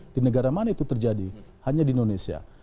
di negara mana itu terjadi hanya di indonesia